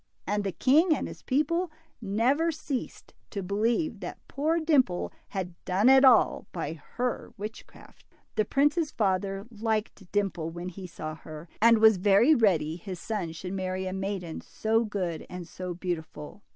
And the king and his people never ceased to believe that poor Dimple had done it all by her witchcraft. The prince's father liked Dimple when he saw her, and was very ready his son should marry a maiden so good and so beautiful.